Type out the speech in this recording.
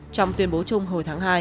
trong tuyên bố chung hồi tháng hai